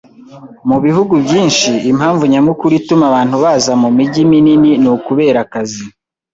Mu bihugu byinshi, impamvu nyamukuru ituma abantu baza mumijyi minini ni ukubera akazi